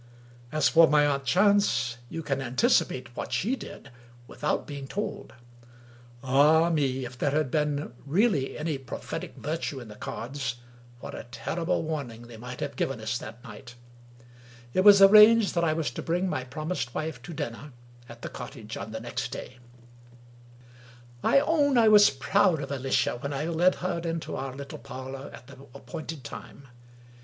As for my aunt Chance, you can anticipate what she did, without being told. Ah, me! If there had really been any prophetic virtue in the cards, what a terrible warning they might have given us that night! It was arranged that I was to bring my promised wife to dinner at the cottage on the next day; 244 WUkie Collins I OWN I was proud of Alicia when I led her into our little parlor at the appointed time.